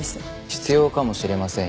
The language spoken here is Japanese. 必要かもしれませんよ。